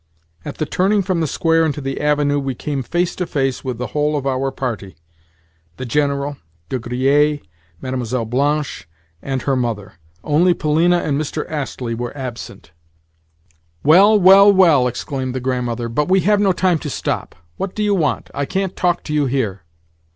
At the turning from the square into the Avenue we came face to face with the whole of our party—the General, De Griers, Mlle. Blanche, and her mother. Only Polina and Mr. Astley were absent. "Well, well, well!" exclaimed the Grandmother. "But we have no time to stop. What do you want? I can't talk to you here."